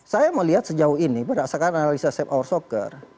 saya melihat sejauh ini berdasarkan analisa save our soccer